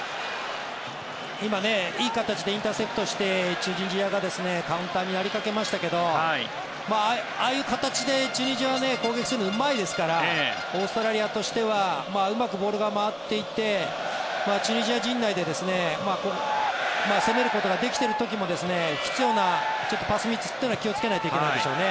今、いい形でインターセプトしてチュニジアがカウンターになりかけましたけどああいう形でチュニジアは攻撃するのがうまいですからオーストラリアとしてはうまくボールが回っていてチュニジア陣内で攻めることができている時も不必要なパスミスというのは気をつけないといけないですね。